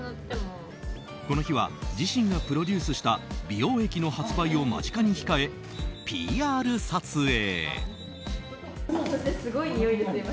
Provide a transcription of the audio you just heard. この日は自身がプロデューサーした美容液の発売を間近に控えＰＲ撮影。